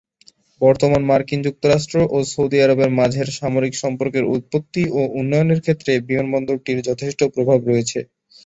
বর্তমান মার্কিন যুক্তরাষ্ট্র ও সৌদি আরবের মাঝের সামরিক সম্পর্কের উৎপত্তি ও উন্নয়নের ক্ষেত্রে বিমানবন্দরটির যথেষ্ট প্রভাব রয়েছে।